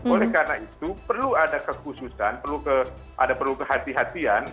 oleh karena itu perlu ada kekhususan ada perlu kehatian